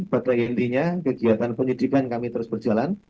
berarti intinya kegiatan penyelidikan kami terus berjalan